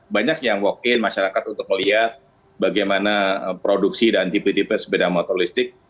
banyak yang walk in masyarakat untuk melihat bagaimana produksi dan tipe tipe sepeda motor listrik